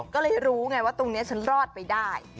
ก็เลยรู้ไงว่าตรงนี้ฉันรอดไปได้